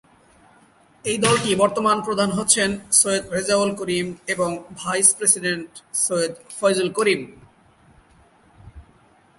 এই দলটির বর্তমান প্রধান হচ্ছেন সৈয়দ রেজাউল করিম এবং ভাইস প্রেসিডেন্ট সৈয়দ ফয়জুল করীম।